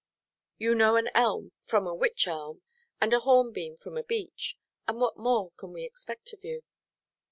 You know an elm from a wych–elm, and a hornbeam from a beech; and what more can we expect of you?